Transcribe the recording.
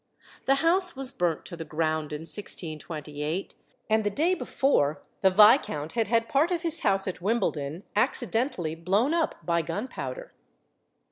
The house was burnt to the ground in 1628, and the day before the viscount had had part of his house at Wimbledon accidentally blown up by gunpowder.